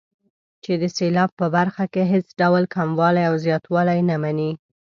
چې د سېلاب په برخه کې هېڅ ډول کموالی او زیاتوالی نه مني.